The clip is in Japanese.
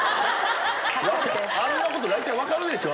あんなこと大体分かるでしょ？